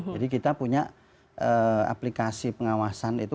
jadi kita punya aplikasi pengawasan itu